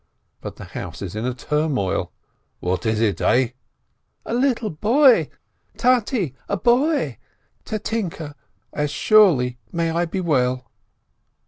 But the house is in a turmoil. "What is it, eh ?" "A little boy ! Tate, a boy ! Tatinke, as surely may I be well